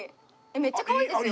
めっちゃかわいいですよ。